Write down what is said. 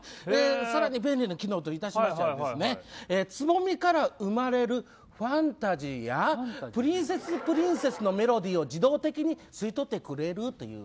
更に便利な機能といたしましてはつぼみから生まれるファンタジーやプリンセスプリンセスのメロディーを自動的に吸い取ってくれるという。